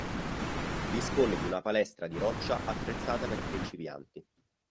Dispone di una palestra di roccia attrezzata per principianti.